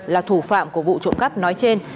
là thủ phạm của vụ trộn cắp nói trên